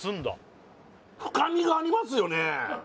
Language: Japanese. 深みがありますよね